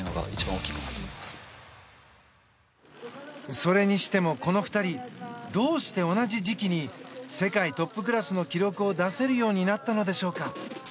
それにしてもこの２人どうして同じ時期に世界トップクラスの記録を出せるようになったのでしょうか。